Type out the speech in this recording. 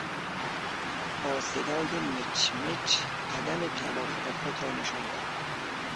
با صدای مچ مچ عدم توافق خود را نشان داد.